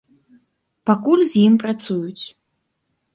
Пакуль з ім працуюць.